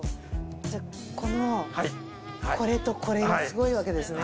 このこれとこれがすごいわけですね。